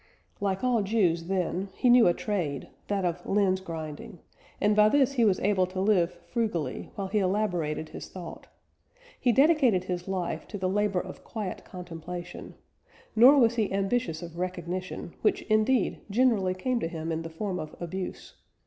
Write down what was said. Like all Jews then, he knew a trade that of lens grinding and by this he was able to live frugally, while he elaborated his thought. He dedicated his life to the labour of quiet contemplation; nor was he ambitious of recognition, which indeed generally came to him in the form of abuse.